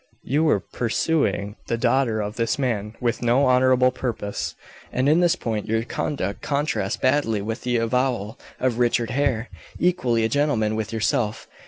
You were pursuing the daughter of this man with no honorable purpose and in this point your conduct contrasts badly with the avowal of Richard Hare, equally a gentleman with yourself.